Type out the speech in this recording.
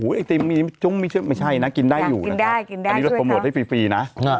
แต่คุณก็ได้นะฟังได้เหมือนกันนะครั้งนี้นะ